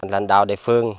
lành đạo địa phương